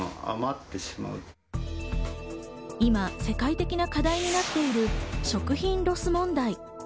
今世界的な課題になっている食品ロス問題。